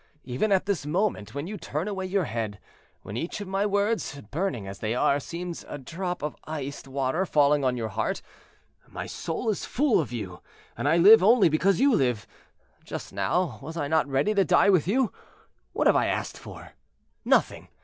Even at this moment, when you turn away your head, when each of my words, burning as they are, seems a drop of iced water falling on your heart, my soul is full of you, and I live only because you live. Just now, was I not ready to die with you? What have I asked for? Nothing.